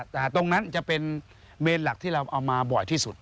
แต่ตรงนั้นจะเป็นเมนหลักที่เราเอามาบ่อยที่สุด